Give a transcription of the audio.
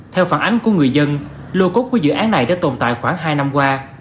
theo phản ánh của người dân lô cốt của dự án này đã tồn tại khoảng hai năm qua